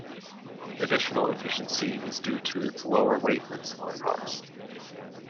Additional efficiency was due to its lower weight than similar cars.